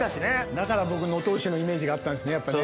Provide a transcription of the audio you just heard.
だから僕能登牛のイメージがあったんですやっぱね。